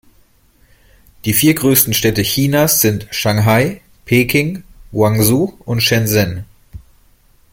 Die vier größten Städte Chinas sind Shanghai, Peking, Guangzhou und Shenzhen.